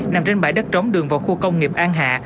nằm trên bãi đất trống đường vào khu công nghiệp an hạ